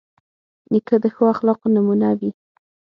نیکه د ښو اخلاقو نمونه وي.